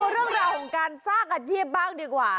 เรื่องราวของการสร้างอาชีพบ้างดีกว่า